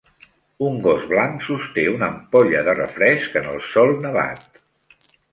Un gos blanc sosté una ampolla de refresc en el sòl nevat.